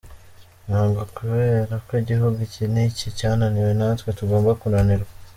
Ntabwo kubera ko igihugu iki n’iki cyananiwe natwe tugomba kunanirwa.